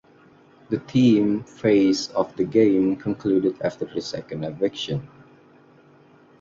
The team phase of the game concluded after the second eviction.